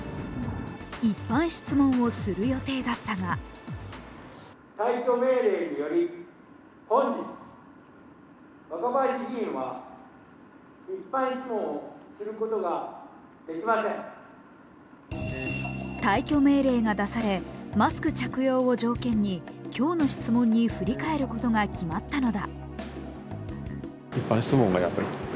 一般質問をする予定だったが退去命令が出され、マスク着用を条件に今日の質問に振り替えることが決まったのだ。